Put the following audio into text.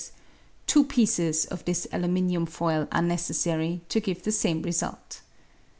two pieces of this aluminium foil are necessary to give the same result.